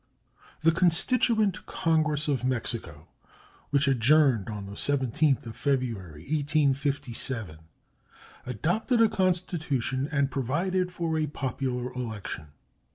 The constituent Congress of Mexico, which adjourned on the 17th February, 1857, adopted a constitution and provided for a popular election.